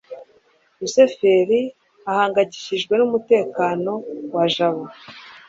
rusufero ahangayikishijwe n'umutekano wa jabo